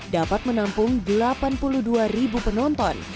dapat menampung delapan puluh dua ribu penonton